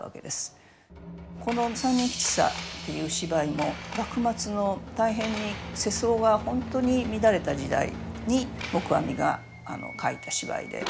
この「三人吉三」っていう芝居も幕末の大変に世相が本当に乱れた時代に黙阿弥が書いた芝居で。